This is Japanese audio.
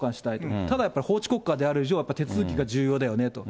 ただやっぱり、法治国家である以上、手続きが重要だよねと。